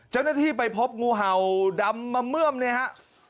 เจ้าหน้าที่ไปพบงูเห่าดำมาเมื่อมเนี่ยฮะ